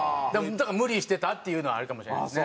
だから無理してたっていうのはあるかもしれないですね。